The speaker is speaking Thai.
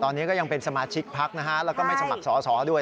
ตอนนี้ก็ยังเป็นสมาชิกพักนะฮะแล้วก็ไม่สมัครสอสอด้วย